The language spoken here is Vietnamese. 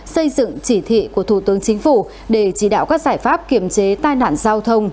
xây dựng chỉ thị của thủ tướng chính phủ để chỉ đạo các giải pháp kiểm chế tai nạn giao thông